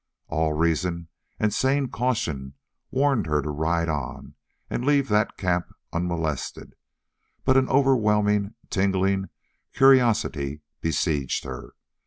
All reason and sane caution warned her to ride on and leave that camp unmolested, but an overwhelming, tingling curiosity besieged her.